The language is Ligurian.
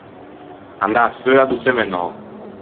Andâ feua do semenou.